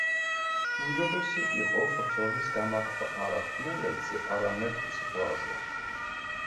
უმჯობესი იყო ბრძოლის გამართვა არა ხმელეთზე, არამედ ზღვაზე.